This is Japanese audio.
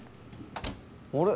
あれ？